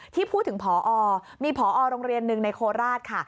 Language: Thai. ที่พูดถึงพอมีผอโรงเรียนหนึ่งในโคราชค่ะ